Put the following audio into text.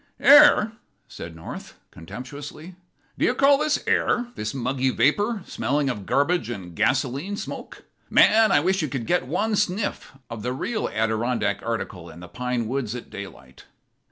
"Air!" said North, contemptuously. "Do you call this air? this muggy vapor, smelling of garbage and gasoline smoke. Man, I wish you could get one sniff of the real Adirondack article in the pine woods at daylight."